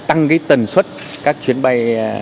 tăng cái tần suất các chuyến bay